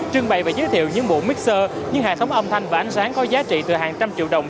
trưng bày và giới thiệu những bộ mixer những hệ thống âm thanh và ánh sáng có giá trị từ hàng trăm triệu đồng